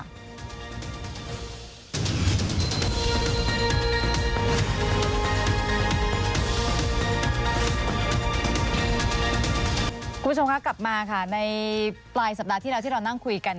คุณผู้ชมคะกลับมาค่ะในปลายสัปดาห์ที่แล้วที่เรานั่งคุยกัน